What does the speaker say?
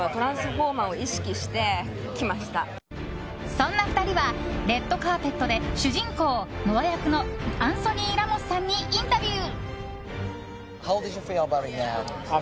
そんな２人はレッドカーペットで主人公ノア役のアンソニー・ラモスさんにインタビュー。